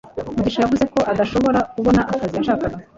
mugisha yavuze ko adashobora kubona akazi yashakaga